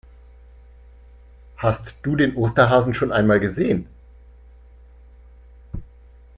Hast du den Osterhasen schon einmal gesehen?